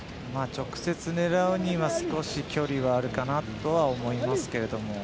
直接狙うには少し距離があるかなと思いますけども。